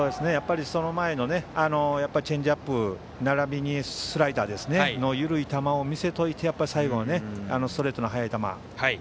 その前のチェンジアップならびにスライダーの緩い球を見せておいて最後、ストレートの速い球。